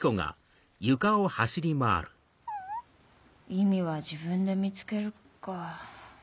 「意味は自分で見つける」か。